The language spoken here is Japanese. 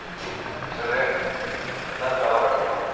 「それで何かわかった事は？」